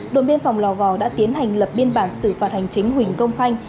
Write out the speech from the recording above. đội biên phòng lò gò đã tiến hành lập biên bản xử phạt hành chính huỳnh công khanh